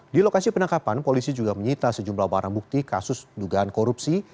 di lokasi penangkapan polisi juga menyita sejumlah barang bukti kasus dugaan korupsi